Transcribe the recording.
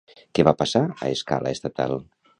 Què va passar a escala estatal?